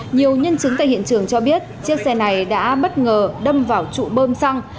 nhiều nhân chứng tại hiện trường cho biết chiếc xe này đã bất ngờ đâm vào trụ bơm xăng